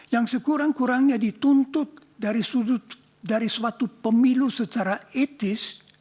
yang sekurang kurangnya dituntut dari suatu pemilu secara etis